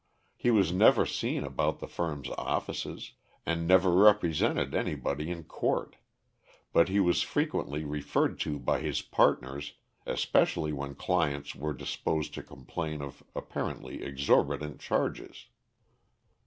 He was never seen about the firm's offices, and never represented anybody in court, but he was frequently referred to by his partners, especially when clients were disposed to complain of apparently exorbitant charges.